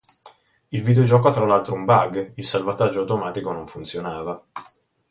Il videogioco ha tra l'altro un bug: il salvataggio automatico non funzionava.